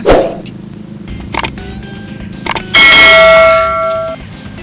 itu kan si adik